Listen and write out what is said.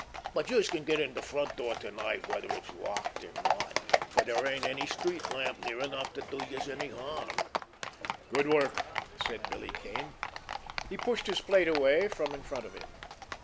But youse can get in de front door to night whether it's locked or not, for dere ain't any street lamp near enough to do youse any harm." "Good work!" said Billy Kane. He pushed his plate away from in front of him.